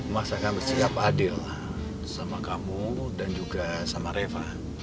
mas akan bersikap adil sama kamu dan juga sama reva